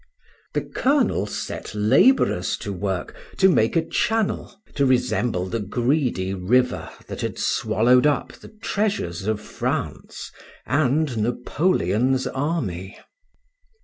The colonel set laborers to work to make a channel to resemble the greedy river that had swallowed up the treasures of France and Napoleon's army.